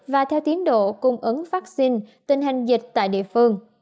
và theo tiến độ cung ứng vaccine tình hình dịch tại địa phương